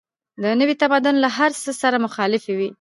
د نوي تمدن له هر څه سره مخالفې وې.